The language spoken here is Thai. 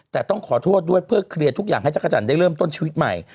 แต่ต้องขอโทษด้วยเพื่อเคลียร์ทุกอย่างให้จักรจันทร์ได้เริ่มต้นชีวิตใหม่